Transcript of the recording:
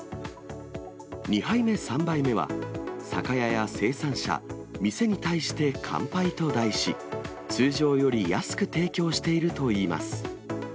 ２杯目、３杯目は、酒屋や生産者、店に対して乾杯と題し、通常より安く提供しているといいます。